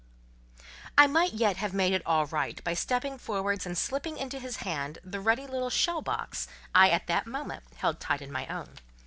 I might yet have made all right, by stepping forwards and slipping into his hand the ruddy little shell box I at that moment held tight in my own.